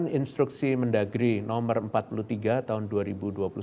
pengaturan aktifitas di level empat tiga dan dua di wilayah pulau jawa bali